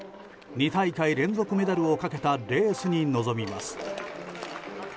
２大会連続メダルをかけたレースに臨みます。